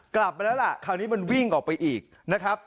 กลับมาแล้วล่ะคราวนี้มันวิ่งออกไปอีกนะครับ